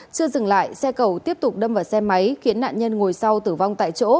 chưa dừng lại xe cầu tiếp tục đâm vào xe máy khiến nạn nhân ngồi sau tử vong tại chỗ